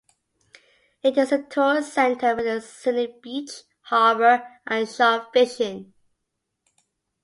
It is a tourist centre with a scenic beach, harbour, and shore fishing.